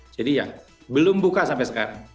jadi ya belum buka sampai sekarang